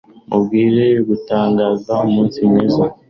mubwire gutangaza umunsi mwiza